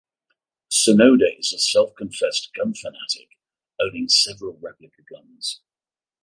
Sonoda is a self-confessed gun fanatic, owning several replica guns.